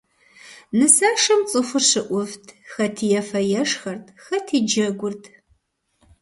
Нысашэм цӀыхур щыӀувт, хэти ефэ-ешхэрт, хэти джэгурт.